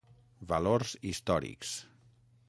Valors històrics.